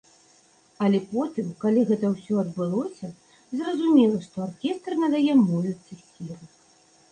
Але потым, калі гэта ўсё адбылося, зразумела, што аркестр надае музыцы сілу.